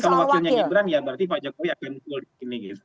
tapi kalau wakilnya gibran ya berarti pak jokowi akan cool gini